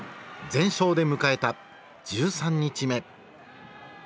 全勝で迎えた１３日目。